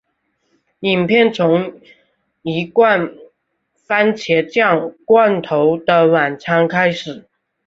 影片从一罐蕃茄酱罐头的晚餐开始。